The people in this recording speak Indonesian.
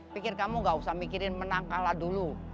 pikir kamu gak usah mikirin menang kalah dulu